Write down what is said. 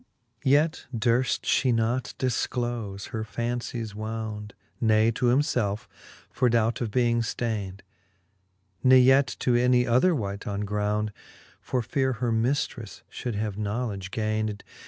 XLIV. Yet durft Ihe not difclole her fancies wound, Ne to himfelfe, for doubt of being fdayned, Ne yet to any other wight on ground, For feare her miftreffe fhold have knowledge gayned.